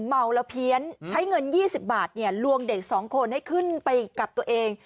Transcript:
เมาและเพี้ยนใช้เงินยี่สิบบาทเนี่ยลวงเด็กสองคนให้ขึ้นไปกับตัวเอง